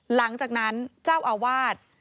หลังจากนั้นเจ้าอาวาส